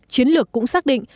chiến lược cũng xác định